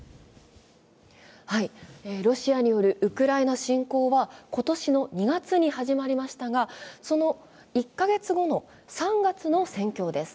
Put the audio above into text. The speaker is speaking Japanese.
ロシアによるウクライナ侵攻は今年の２月に始まりましたがその１か月後の３月の戦況です。